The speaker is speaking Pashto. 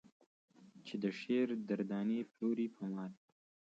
چې د شعر در دانې پلورې په مال.